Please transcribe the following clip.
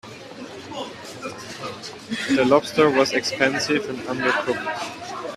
The lobster was expensive and undercooked.